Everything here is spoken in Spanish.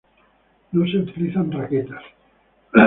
No se utilizan raquetas.